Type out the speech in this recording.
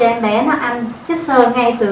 để em bé nó ăn chất sơ ngay từ